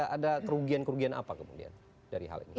ada kerugian kerugian apa kemudian dari hal ini